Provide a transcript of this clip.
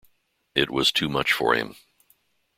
It was too much for him.